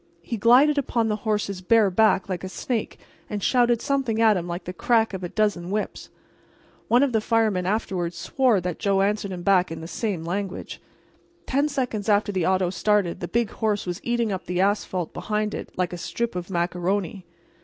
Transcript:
He glided upon the horse's bare back like a snake and shouted something at him like the crack of a dozen whips. One of the firemen afterward swore that Joe answered him back in the same language. Ten seconds after the auto started the big horse was eating up the asphalt behind it like a strip of macaroni.